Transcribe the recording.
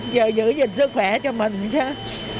giờ giữ gìn sức khỏe cho mình chứ